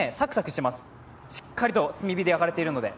しっかりと炭火で焼かれているので。